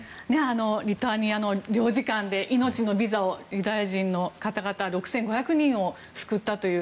リトアニアの領事館で命のビザをユダヤ人の方々６５００人を救ったという。